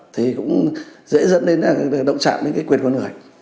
thì cũng dễ dẫn đến động trạm đến quyền quân người